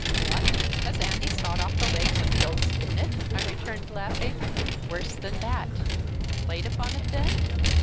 "What! has Andy sawed off the legs of the old spinet?" I returned, laughing. "Worse than that." "Played upon it, then!"